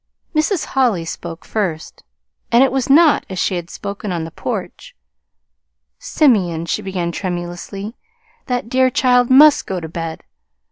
Mrs. Holly spoke first and it was not as she had spoken on the porch. "Simeon," she began tremulously, "that dear child must go to bed!"